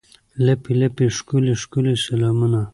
لپې، لپې ښکلي، ښکلي سلامونه